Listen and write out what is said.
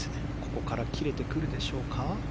ここから切れてくるでしょうか。